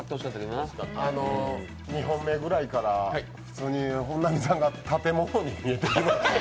あのう、２本目くらいから普通に本並さんが建物に見えてきた。